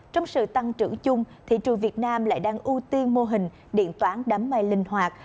trong sự tăng trưởng chung thị trường việt nam lại đang ưu tiên mô hình điện toán đám mây linh hoạt